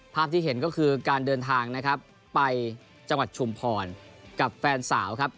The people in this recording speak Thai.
ที่เห็นก็คือการเดินทางนะครับไปจังหวัดชุมพรกับแฟนสาวครับ